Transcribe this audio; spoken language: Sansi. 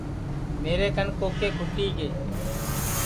میرے کن کوکے کُھٹی گئے